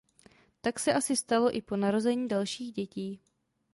Tak se asi stalo i po narození dalších dětí.